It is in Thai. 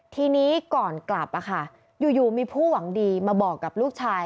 ทีนี้ก่อนกลับอยู่มีผู้หวังดีมาบอกกับลูกชาย